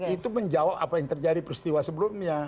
itu menjawab apa yang terjadi peristiwa sebelumnya